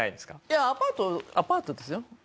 いやアパートアパートですよ。